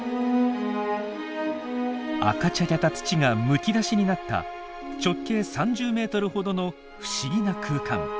赤茶けた土がむき出しになった直径３０ｍほどの不思議な空間。